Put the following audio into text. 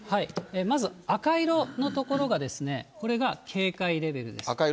まず赤色の所が、これが警戒レベルです。